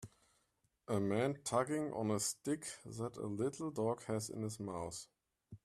a man tugging on a stick that a little dog has in his mouth